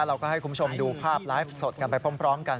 เราก็ให้คุณผู้ชมดูภาพไลฟ์สดกันไปพร้อมกัน